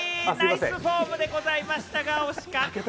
ナイスフォームでございましたが、惜しかった。